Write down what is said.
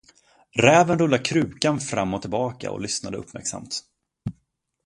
Räven rullade krukan fram och tillbaka och lyssnade uppmärksamt.